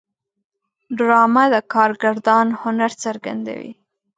ډرامه د کارگردان هنر څرګندوي